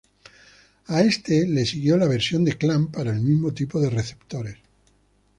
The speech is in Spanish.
A este le siguió la versión de Clan para el mismo tipo de receptores.